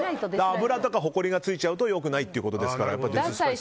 油とかほこりがつくとよくないってことですから。